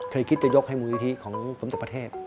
เคยคิดจะยกให้มูลิธิของสมศักดิ์ประเทศ